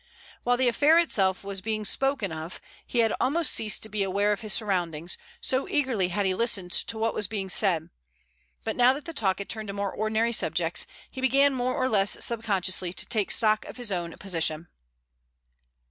While the affair itself was being spoken of he had almost ceased to be aware of his surroundings, so eagerly had he listened to what was being said, but now that the talk had turned to more ordinary subjects he began more or less subconsciously to take stock of his own position.